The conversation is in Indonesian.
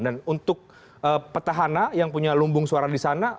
dan untuk petahana yang punya lumbung suara di sana